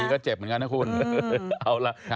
เอาไปบกเชียวอะไรอย่างนี้ไง